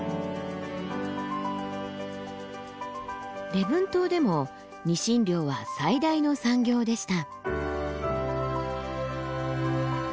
礼文島でもニシン漁は最大の産業でした。